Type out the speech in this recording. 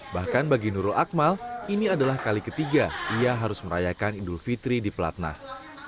bahkan bagi nurul akmal ini adalah kali ketiga ia harus merayakan idul fitri di pelatnas